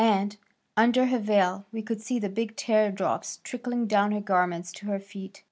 And, under her veil, we could see the big tear drops trickling down her garments to her feet.